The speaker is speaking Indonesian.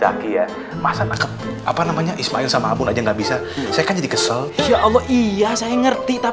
zaki ya masa nangkep apa namanya ismail sama abun aja nggak bisa saya jadi kesel oh iya saya ngerti